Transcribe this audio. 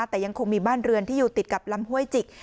แต่ยังคงมีบ้านเรือนที่อยู่ติดกับลำห้วยจิก